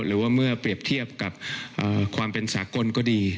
หรือว่าเมื่อเปรียบเทียบกับความเป็นสากลก็ดี